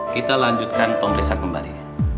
kita lanjutkan pemeriksaan kembali